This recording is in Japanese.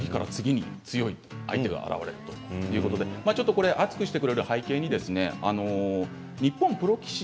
次から次に強い相手が現れるということで熱くしてくれる背景に日本プロ棋士